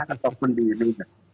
ataupun di mina